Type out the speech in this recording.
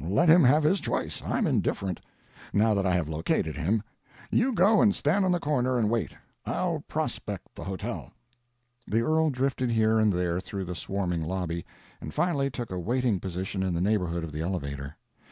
Let him have his choice—I'm indifferent, now that I have located him. You go and stand on the corner and wait; I'll prospect the hotel." The earl drifted here and there through the swarming lobby, and finally took a waiting position in the neighborhood of the elevator.